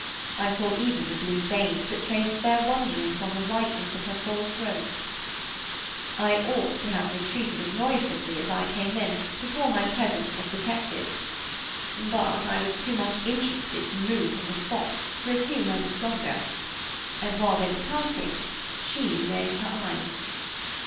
I saw even the blue veins that traced their wanderings on the whiteness of her full throat. I ought to have retreated as noiselessly as I came in, before my presence was detected. But I was too much interested to move from the spot, for a few moments longer; and while they were passing, she raised her eyes.